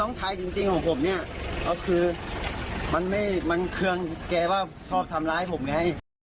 น้องชายจริงของผมเนี่ยมันเคลืองแกว่าชอบทำร้ายผมไง